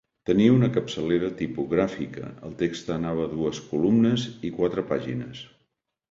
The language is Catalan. Tenia una capçalera tipogràfica, el text anava a dues columnes i quatre pàgines.